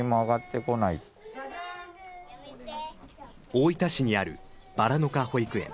大分市にあるばらのか保育園。